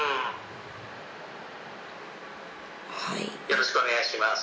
よろしくお願いします。